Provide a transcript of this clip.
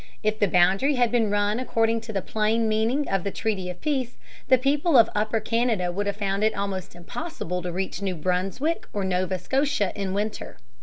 If the boundary had been run according to the plain meaning of the Treaty of Peace, the people of Upper Canada would have found it almost impossible to reach New Brunswick or Nova Scotia in winter.